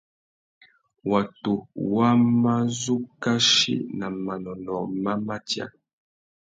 Watu wá má zu kachi nà manônôh má matia.